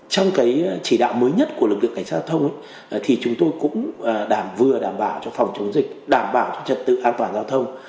trong chỉ đạo mới nhất của lực lượng cảnh sát giao thông thì chúng tôi cũng đảm vừa đảm bảo cho phòng chống dịch đảm bảo cho trật tự an toàn giao thông